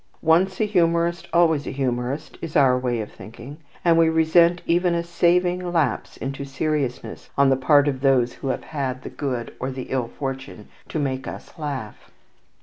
Once a humourist, always a humourist, is our way of thinking; and we resent even a saving lapse into seriousness on the part of those who have had the good or the ill fortune to make us laugh.